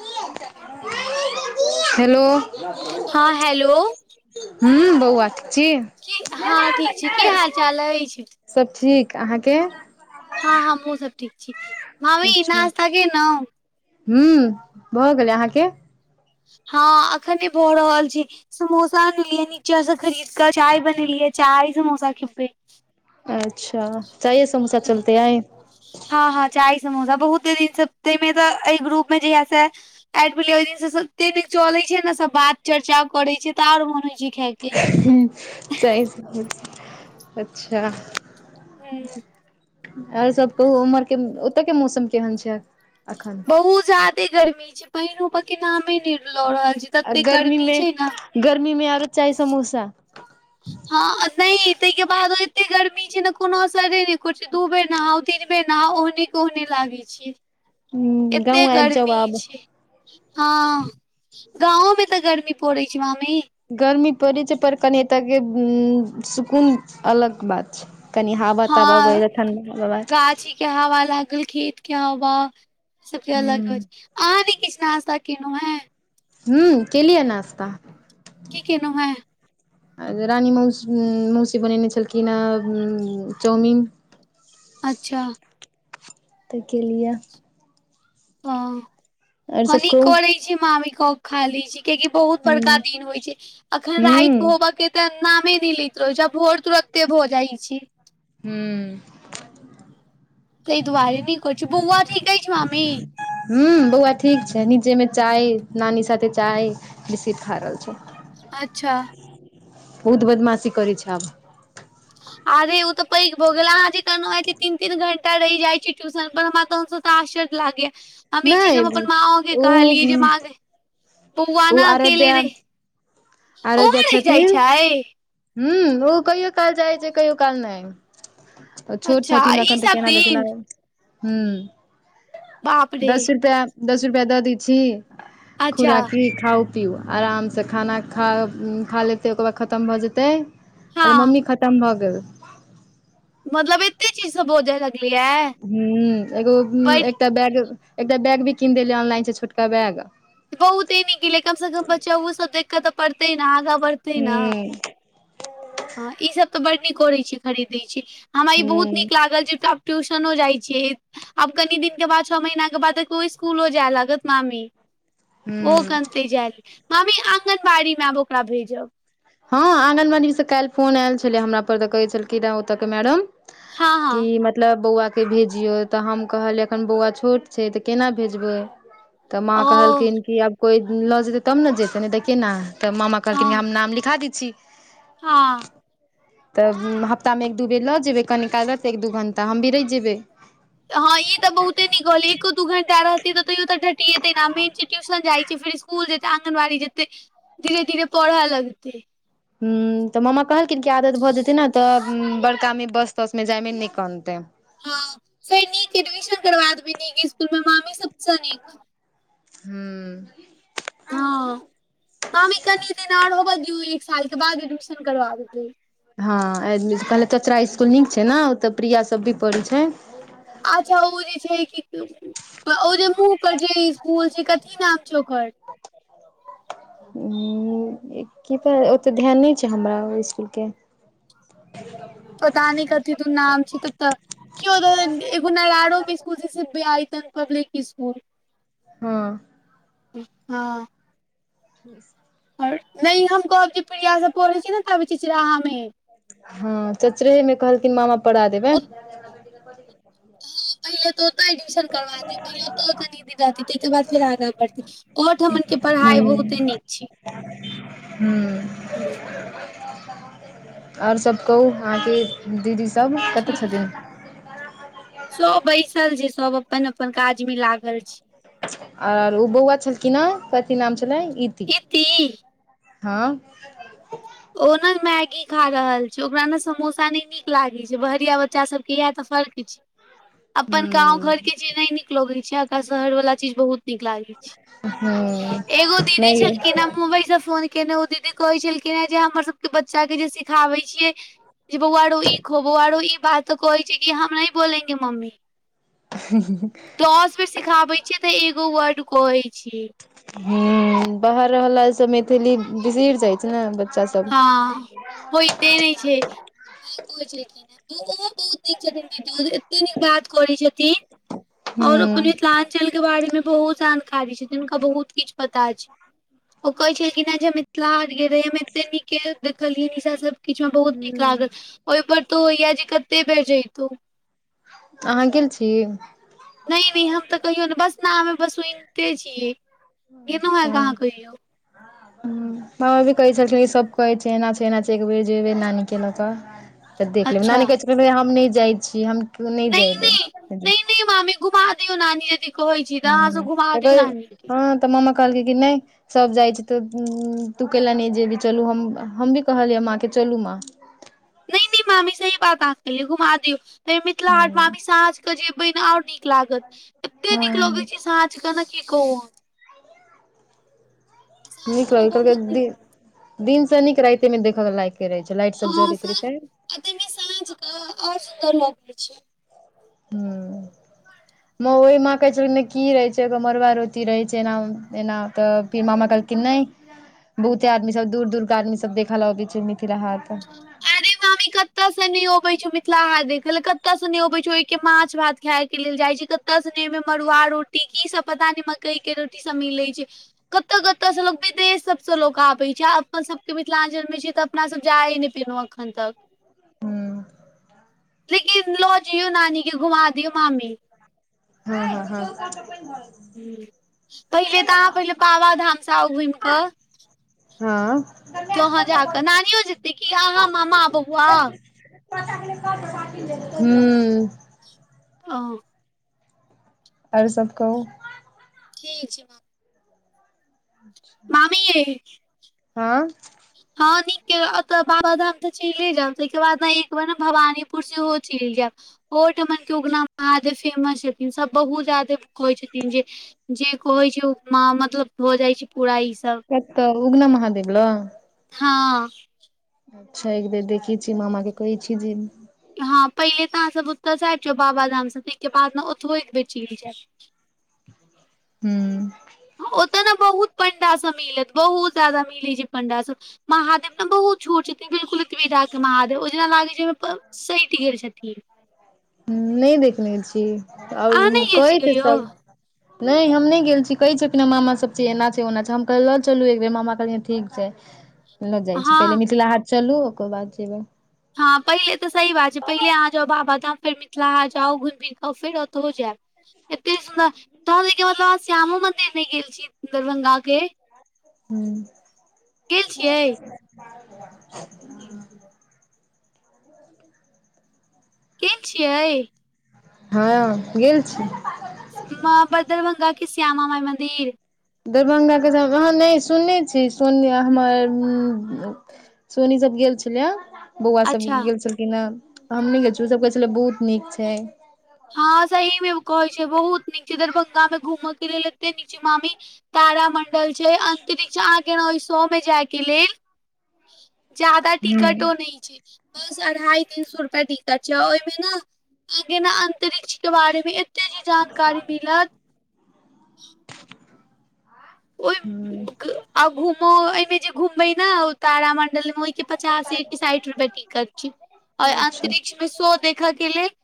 हँ की हाल-चाल अइछ मामी? हेलो हँ हैलो! हूँ बौआ ठीक छी? की, हँ ठीक छी, की हाल-चाल अइछ? सब ठीक, अहाँके? हँ हमहुं सब ठीक छी, मामी नास्ता केलौ? हूं, भऽ गेलै अहाँके? हँ अखने भऽ रहल छै। समोसा अनलियै नीचा सँ खरीद क, चाय बनेलियै, चाय समोसा खेबै। अच्छा! चाये समोसा चलतै आय। हँ-हँ चाय समोसा, बहुते दिन सप्ते में तऽ, एहि ग्रुप में जहिया स ऐड भेलिया ओय दिन स, सते नै चले छै न सब बात चर्चा करै छै तऽ, आर मोन होइ छै। खायके हूं चाय समोसा, अच्छा! हूँ। और सब कहू, उमर के ओतऽ के मौसम केहन छै अखन? बहुत ज्यादे गर्मी छै, पइनो होबै के नामे नै ल रहल छै, आ तते गर्मी मे छै न। गर्मी में आरो चाय समोसा! हँ नै तै के बादो एते गर्मी छै न, कोनो असरे नै करै छै, दू बेर नहाऊ, तीन बेर नहाऊ, ओहने के ओहने लागै छियै, ह एते गाँव आबि जाउ गर्मी आब छै। हँ, गाँवो में तऽ गर्मी पड़ै छै मामी! गर्मी पड़ै छै पर, कनि एतऽ के सुकून अलग बात छै। कनि हावा-तावा हँ बहले, ठंडी हवा। गाछी के हावा लागल, खेत के हवा, ई सबके अलग हो हूँ छै, अहाँ नै किछ नाश्ता केलौ हैं। हूं केलिया नाश्ता। की केलौ हैं? रानी मौस मौसी बनेने छलखिन है, चाउमीन। अच्छा! त केलियऽ। हँ, आओर हँ सब निक कहू करै छै मामी, क क खा लै छी। किआकि बहुत बड़का हूँ दिन होइ छै, अखन राइत हूँ होबऽ के नामे नै लैत रहै छै, आ भोर तुरते भऽ जाइ छै। हूं। तै दुआरे नै करै छी, बौआ नीक अछि मामी? हुं बौआ ठीक छै नीचे नीचा अछि, नानी के साथे चाय बिस्किट खा रहल छै। अच्छा। बहुत बदमाशी करै छै आब। आरे ओ तऽ पैघ भ गेल अहाँ जेकाँ नै, जे तीन-तीन घंटा रहि जाइ छी ट्यूशन पर हमरा तखन सँ आश्चर्य लागैये, हम ई चीज हम नहि अपन माँओ के ओ कहलियै जे माँ गै बौआ ओ ना अकेले आराध्या रहै, ओहो रहि जाइ छै। हुं ओहो कहियो काल जाइ छै कहियो काल नै। तऽ छोट अच्छा छथिन ई एखन तऽ सब केना जेथिन। दिन हुं, बाप रे दस रुपआ दस रुपआ दऽ दै छी, अच्छा खुुराकी खाउ पीउ, आरामसँ खाना खा लेतै ओकर बाद खतम भऽ जेतै अर हँ मम्मी खतम भऽ गेल। मतलब एते चीज सब बाजर लगलैये। ह एगो एकटा बैग एकटा बैग भी कीन देलियै ऑनलाइन से छोटका बैग। बहुते नीक केलियै, कमसँ कम बच्चा ओसभ देख कऽ तऽ पढ़तै ने आगाँ बढ़तै हुं। ह ई सब तऽ बड नीक करैत छी खरीदैत, हमरा ई बहुत हुँ नीक लागल जे एकटा टयूशनो जाइ छियै आब कनि दिन के बाद छओ महीना के बाद त ओ स्कूलो जाय लागत मामी। ओ हुँ अखैन की जायत, मामी आङगनबाड़ी मे आब ओकरा भेजब। हँ आँगनबाड़ी से काल्हि फोन आयल छलै हमरा पर तऽ कहै छलखीन रहै ओतऽ के मैडम कि हँ हँ मतब मतलब बौआके भेजियौ तऽ हम कहलियै एखन बौआ छोट छै तऽ केना भेजबै तऽ माँ ओ कहलखिन की आब कोई लऽ जेते तब ने जेते ने देखे ने तऽ मामा कहलखिन हँ हम नाम लिख लिखा दै छी। हँ। तऽ हफ्तामे एक दू बेर लऽ जेबै कनी काल रहतै एक दू घण्टा हम भी रहि जेबै हँ ई तऽ बहुते निक कहलियै एको दू घंटा रहतै तैयो तऽ घटियेते ने मेन छै ट्यूशन जाय छै फेर स्कूल जेकां आंगनबाड़ी जेतै धीरे धीरे पढ़य लगतै। हं तऽ मामा कहलखिन कि आदत भऽ जेतै ने तऽ बड़का मे बस तसमे जायमे नै कनतै। ह फेर नीक एडमिशन करबा देबै, नीक स्कूल मे मामी सबसँ नीक हुं। हँ, मामी कनि दिन और होबऽ दियौ एक सालके बाद एडमिशन करबा देबै। हँ एडमिशन, कहले कचरा स्कूल नीक छै ने ओतऽ प्रिया सब भी पढ़ै छै। अच्छा ओ जे छै कि ओ जे मुँह पर जे स्कूल छै कथी नाम छै ओकर की त ओतेक ध्यान नहि छै हमरा ओहि स्कूल के पता नहि कथि त नाम छै ओतुका। कियो द देलकै एगो आरो स्कूल छै बीआयकन पब्लिक स्कुल। हँ। हँ। [inaudible] अरे नै हम कहब जे प्रिया सब पढै छै ने तब चिचिराहा मे हँ चचरेहेमे कहलखिन मामा पढ़ा देबै। पहिले तऽ ओतै एडमिशन करवा दियो। पहिले तो क निदी रहथि ताहिके बाद फेर आगाँ बढ़थिन, ओर ठमनके पढ़ाइ बहुते नीक छै। हूं। और सब कहू अहाँके दीदी सब कतऽ ठीक छथिन? सब बैसल छै, सब अपन अपन काज मे लागल छै। आर ओ बौआ छलखिन हेँ, कथी नाम छलैन हे इती। इति हँ। ओ ने मैगी खा रहल छ। ओकरा ने समोसा ने नीक लागे छ। बहरिया बच्चा सब के इह तऽ फर्क हैय। अपन गाँंव हूँ घर के चीज नहि नीक लगे छै। आकरा शहर वाला चीज बहुत नीक लागैत छै। हू एगो दीदी मैगी। छलखिन हे मुम्बई सँ फोन केने ओ दीदी कहै छलखिन हे जे हमर सबके बच्चाके जे सिखाबै छियै जे बुआरो ई खो बुआरो ई बात कोइ छै कि हमरा नही बोलेंगे मम्मी। दस बेर सिखाबै छियै तऽ एगो वर्ड कहै छीये। ह बाहर रहल से मैथिली बिसैर जाय छै। ते बच्चा सब। हँ होय त नहि छै। खिन ओ। हो बहुत नीक छथिन दद एते नीक बात करै छथिन। [unintelligible] और अपन हूँ मिथिलाञ्चल के बारे मे बहुत जानकारी छै, हुनका बहुत किछु पता छैन। ओ कहै छलखिन है जे मिथिलाहाट गेल रहि एहि बेर। त नीक के देखलियै निशा सब किछु में बहुत नीक हूँ लागल। ओहिपर तो होयऽ जे कते बेर जैतौ। अहाँ गेल छी। नै- नै हम तऽ कहियौ ने बस नाम बस सुनिते छीयै। अच्छा ह। मामा भी कहै छलखिन ई सभ कहै छै एना छै - एना छै एक बेेर जेबे नानी के लऽ कऽ। तऽ देख लेब अच्छा नानी कहै छै कह हम नहि जाइ छी हम केओ नहि जायबै। नानी मामी घुमा दीयो नानी यदी कहै छी तऽ अहाँ सब घुमा दियो के। त मामा कहलके कि नै। सभ जाइ छै तऽ तू के ला नै जेबही, चलू हम- हम भी कहलियै माँके चलू माँ। नै - नै मामी सही बात आहां कहलिये घुमा दियौ। मिथिला हाट हूँ मामी सांझ के जेबे ने और नीक लागत, एते निक हँ लगे छै साँझ के। कि कहु हम। साँझ नीक के ने लगलकै बहुत नीक दि - दिन से नीक राइते मे देखय के लायक रहै छै लाइट सब जड़ैत रहै छै। आ तैमें सांझ के और सुन्दर लगैय छै। हूं। ओहि माँ कहै छलखिन की रहै छै ओ मरुा रोटी रहै छै एना - एना तऽ फेर मामा कहलखिन नहि। बहुते आदमी सब दूर दूर के आदमी सब देखय लऽ अबै छै मिथिला हाट। आरे मामी कतऽ से ने अबे छै मिथिला हाट देख लऽ कतऽ से ने अबे छै ओहि के माछ भात खाय के लेल जाय छै कतय सने मे मड़ुआ रोटी की सब पता नहि मकई के रोटी सब मिले छै। कतय कतऽ से लोक विदेश सब से लोक आबे छै अपन सब के मिथिलांचल मे छै तऽ अपना सब जाए [unintelligible] उं। लेकिन लऽ जइयौ नानी के घुमा दियौ मामी। हँ - हँ -हँ। पहिले तऽ अहाँ पहिले बाबा धाम से आउ घुमि कऽ। हँ। तो वहाँ जाकऽ नानियो जेतै कि अहाँ मामा बौआ। हू। [unintelligible] ओ। और सब कहु। ठीक छै। अच्छा मामीयै- आँ हँ नीके ओतऽ बाबाधाम तऽ चैले जायब तहिके बाद ने एक बेर भवानीपुर सेहो चलि जायब। ओ ठामन के उगना महादेव फेमस छथिन सब बहुत जादे कहै छथिन जे जे कहै छै ओ मतलब भ जाइ छै पूरा ई सब। कत्त उगना महादेव लग? हँ। अच्छा एक बेर देखै छियै मामा के कहै छी जे हँं पहिले तऽ अहाँ सब ओतसँ आबि जाउ बाबाधाम सँ ताहिके बाद ने ओतहो एक बेर चलि जायब। हू। ओतऽ ने बहुत पण्डा सब मिलत बहुत जादा मिलै छै पण्डा सब महादेव ने बहुत छोट छै। त बिल्कुल ओतबी टा के महादेव ओ जेना लागै छै ओइमे सटि गेल छथिन। नै देखने छी अहाँ आब नहि गेल कहै छी छै कहियौ सभ नहि हम नहि गेल छी कहै छलखिन कि मामा सब जे एना छै ओना छै हम कहलि ल चलू एक बेर मामा कहलखिन ठीक छै। ल जाइ छै हँ पहिले मिथिला हाट चलू ओकर बाद जे हँ पहिले तऽ सही बात छै पहिले अहाँ जाउ बाबाधाम फेर मिथिला हाट जाउ घुमि फिर के आउ फेर ओतहु जायब। एते सुन्दर तहन ओइके मतलब अहां श्यामो मंदिर नहि गेल छी दरभंगा के। गेल छियै [inaudible] के छियइ? हँ गेल छी। मां ब दरभंगा के श्यामा माई मन्दिर। दरभंगा के श्यामा हाँ नहि सुनने छी सुन हमर सोनी सब गेल छलैए। बौआ सब अच्छा गेल छलखिन हँ हम नहि गेल छलहु ओ सभ कहै छलै बहुत नीक छै। हँं सही मे कहै छै बहुत नीक छै दरभंगा में घूमऽ के लेल एते नीक छै मामी तार मंडल छै अंतरिक्ष अहाँ के ओहि सए मे जाय के लेल ह जादा टिकटो नहि छै बस अढ़ाई तीन सए रुपआ टिकट छै ओहिमे न अहांके न अंतरिक्ष के बारे मे एते नीक जानकारी मिलत ओइ हूँ आ घूमओ एहिमे जे घूमबै ने ओ तारामंडल मे पचास ये कि साठि रुपआ टिकट छै आऔर अच्छा अंतरिक्ष मे सो देखऽ के लेल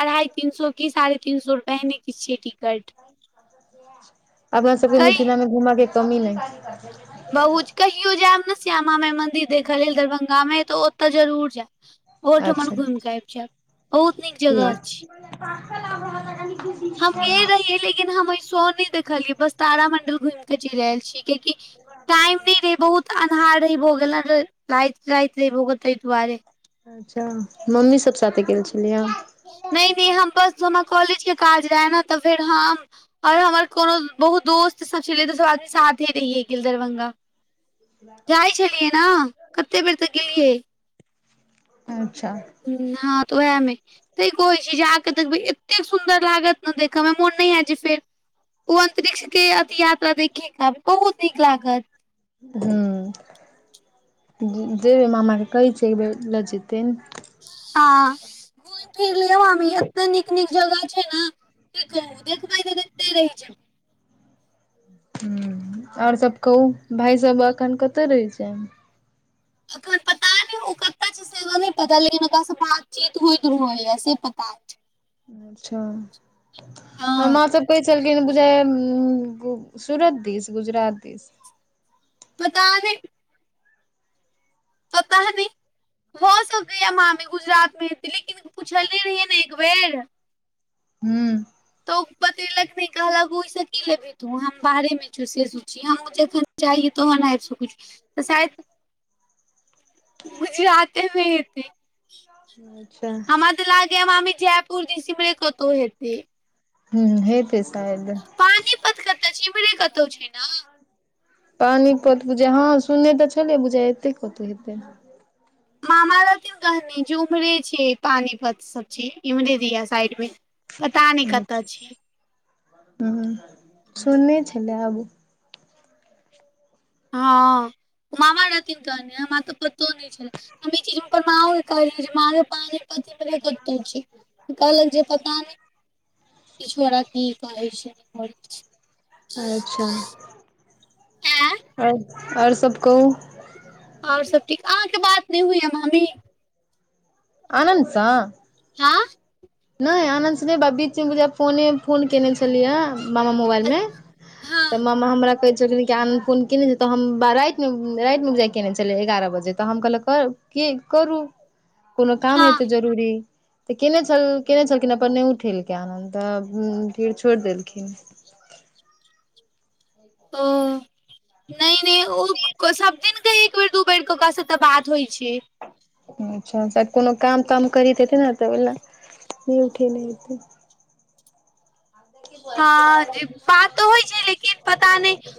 अढ़ाई तीन सए की साढ़े तीन सए रुपे एहने किछ छै टिकट। अपना सबके कै मिथिला मे घुमऽ के कमी नहि, बहुत कहियो जायब ने श्यामा माइ मन्दिर देखऽ लेल दरभंगा मे तऽ ओतऽ जरूर जायब। ओहो ठमन अच्छा घुमिके आबि जायब। बहुत नीक जगह अछि [inaudible] हम गेल रहियै लेकिन हम ए सो नहि देखलियै बस तारामंडल घुमिके चलि आयल छी। कियाएकि टाइम नै रहै बहुत तऽ अन्हारे भ गेलैन राएत राएत रहै भ गेल तै दुआरे। अच्छा मम्मी सब साथे गेल छलिये। नै-नै हम बस हमरा कॉलेज के काज रहाए नै तऽ फेर हम और हमर कोनो बहुत दोस्त सब छलै तऽ सब आदमी साथे रहिये गेल दरभंगा। जाय छलियै ना कते बेर ते गेलियै। अच्छा। हुं, हां तऽ उहाए मे। ते कहै छी जे आके देखबै एतेक सुन्दर लागत नै देखै मे मोन नै हाएत जे फेर उ अंतरिक्ष के अथी यात्रा देखे के आबी बहुत नीक लागत। हुं जे जेबे मामा के कहै छै एक बेर लऽ जेतैन। हां, घुम-फिर लियो मामी एते नीक-नीक जगह छै नै। की कहु देखबै तऽ देखते रैह जाएब। हुं और सब कहु भाय सब एखन कतऽ रहै छै। अखन पता नै उ क कता छै से हमरा नै पता लेकिन ओकरा से बातचीत होएत रहैया से पता छै अच्छा हँ हमरा सबके छलखिन बुझाए उम्म उ सूरत दिस, गुजरात दिस। पता नै तहने भ सकैया मामी गुजरात मे हेते, लेकिन पुछले रहियै नै एक बेर हुं। तऽ उ बतैलक नै कहलक ओय से की लेबी। तू हम बाहरे मे छियो से सोचिये हमु जखन चाहिये तहन आएब सकै छो। तऽ शायद गुजराते मे हेतै। अच्छा। उ ते लागैया मामी जयपुर दिस इम्हरे कतौ हेतै। हुं हेते शाएद। पानीपत कतऽ छै इम्हरे कतौ छै ना। पानीपत बुझाय हां सुनै तऽ छलै बुझाए एतै कतौ हेतै। मामा रातियो कहनै जे उम्हरे छै पानीपत सब छै इम्हरे जे या साइड मे। पता नै कतऽ छै। हुं सुननै छलै आएब। हां उ मामा रहथिन कहने हमरा तऽ पतो नै छल। हम इ चीज हुनकर मांओ के कहलिये जे माँ गे पानि पत इम्हरे कतौ छै, कहलक जे पता नै कि छोरा की। कहै छै नै करै छै। अच्छा। आँ और और सब कहु। और सब ठीक अहाँके बात नै होयया मामी। आनंद सँ। हां। नै आनन्द से नै बात बीच मे बुझाए फोने फोन कैने छलिये मामा मोबाइल मे तऽ हँ मामा हमरा कहे छलखिन कि आनन्द फोन केनै छै तऽ हम बा राएत मे, राएत मे बुझाय केने छलै एगारअ बजे। तऽ हम कहलक क की करू कुनू काम हेतै हँ जरूरी तऽ केने छल। कयने छलखिन अपन नहि उठेलकै आनन्द, तऽ फेर छोड़ि देलखिन। ओ नहि -नहि ओ, सभ दिनके एक बेर, दू बेर क ओकरा सबके बात होइ छै। अच्छा! शायद कोनो काम -ताम करैत हेतै ने, तऽ ओहि ल नहि उठे नहि हेतै। हँ जे बात तऽ होइ छै, लेकिन पता नहि।